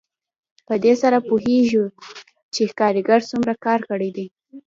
په دې سره پوهېږو چې کارګر څومره کار کړی دی